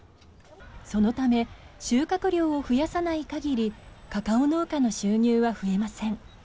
そのため収穫量を増やさない限りカカオ農家の収入は増えません。